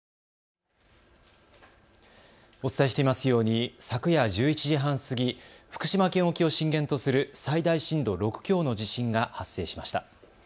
お伝えしていますように昨夜１１時半過ぎ、福島県沖を震源とする最大震度６強の地震が発生しました。